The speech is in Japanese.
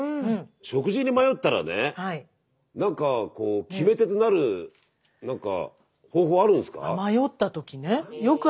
食事に迷ったらねなんかこう決め手となる方法あるんすか？